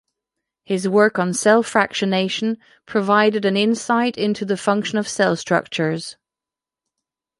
His work on cell fractionation provided an insight into the function of cell structures.